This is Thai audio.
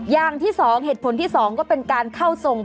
อย่างที่๒เหตุผลที่๒ก็เป็นการเข้าทรง